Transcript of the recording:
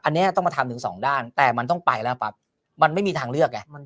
อันนี้ต้องมาทำถึงสองด้านแต่มันต้องไปแล้วปั๊บมันไม่มีทางเลือกไง